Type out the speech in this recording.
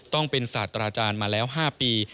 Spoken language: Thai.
ต้องเป็นศาสตราจารย์มาแล้ว๕ปี